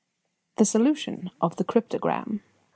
THE SOLUTION OF THE CRYPTOGRAM.